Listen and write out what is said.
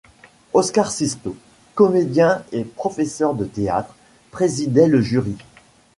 Oscar Sisto, comédien et professeur de théâtre, présidait le jury.